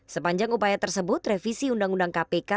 sepanjang upaya tersebut revisi undang undang kpk